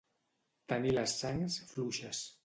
Tenir les sangs fluixes.